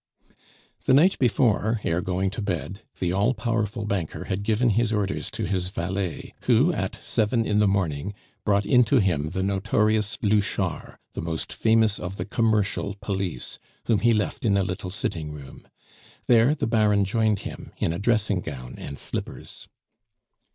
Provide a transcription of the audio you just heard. The night before, ere going to bed, the all powerful banker had given his orders to his valet, who, at seven in the morning, brought in to him the notorious Louchard, the most famous of the commercial police, whom he left in a little sitting room; there the Baron joined him, in a dressing gown and slippers.